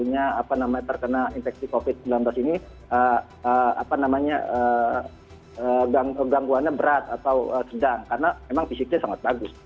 yang terkena infeksi covid sembilan belas ini gangguannya berat atau sedang karena memang fisiknya sangat bagus